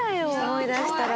思い出したら。